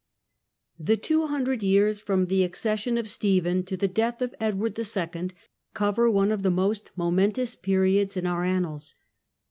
The two hundred years from the accession of Stephen to the death of Edward II. cover one of the most moment The changes ^^^ periods in our annals.